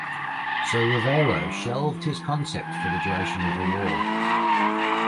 So Ravelo shelved his concept for the duration of the war.